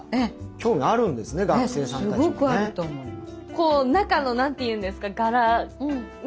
こう中の何て言うんですか柄ね。